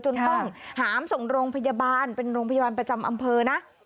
จนต้องหามส่งโรงพยาบาลเป็นโรงพยาบาลประจำอำเภอนะ